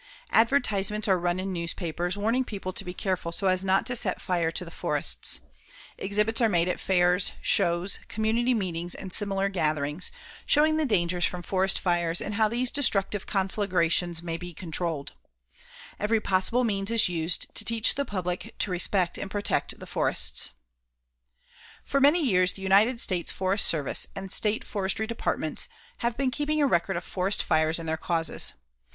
Advertisements are run in newspapers, warning people to be careful so as not to set fire to the forests. Exhibits are made at fairs, shows, community meetings and similar gatherings, showing the dangers from forest fires and how these destructive conflagrations may be controlled. Every possible means is used to teach the public to respect and protect the forests. [Illustration: BLACKENED RUINS OF A FIRE SWEPT FOREST] For many years, the United States Forest Service and State Forestry Departments have been keeping a record of forest fires and their causes.